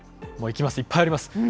もういきます、いっぱいあります。